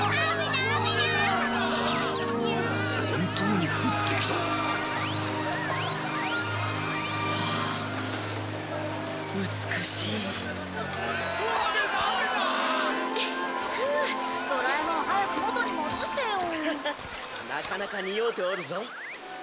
なかなか似合うておるぞ。